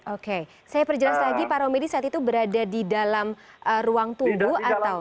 oke saya perjelas lagi pak romedy saat itu berada di dalam ruang tunggu atau